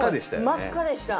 真っ赤でした。